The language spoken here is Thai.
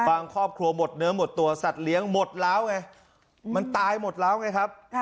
ครอบครัวหมดเนื้อหมดตัวสัตว์เลี้ยงหมดแล้วไงมันตายหมดแล้วไงครับ